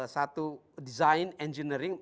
satu desain engineering